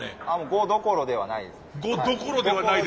「５どころではないですね」？